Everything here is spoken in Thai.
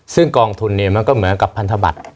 ซึ่งกองทุนเนี่ยมันก็เหมือนกับพันธบัตร